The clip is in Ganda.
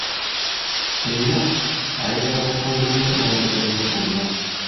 Era ayagala bakoleyo n'omuzannyo bonna.